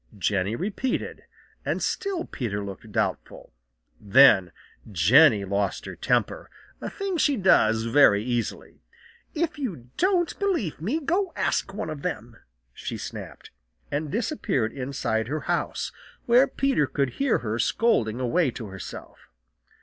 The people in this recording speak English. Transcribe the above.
Jenny repeated, and still Peter looked doubtful. Then Jenny lost her temper, a thing she does very easily. "If you don't believe me, go ask one of them," she snapped, and disappeared inside her house, where Peter could hear her scolding away to herself.